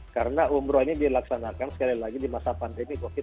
karena umroh ini dilaksanakan sekali lagi di masa pandemi covid sembilan belas